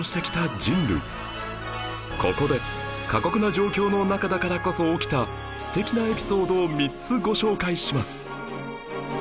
ここで過酷な状況の中だからこそ起きた素敵なエピソードを３つご紹介します